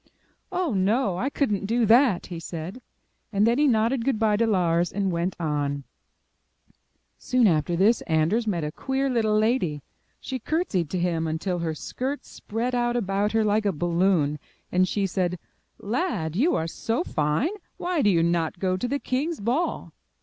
*'0h, no, I could not do that,'* he said. And then MY BOOK HOUSE he nodded good bye to Lars, and went on. Soon after this Anders met a queer Httle lady. She curtsied to him until her skirts spread out about her Hke a balloon and she said: *'Lad, you are so fine, why do you not go to the king's ball?'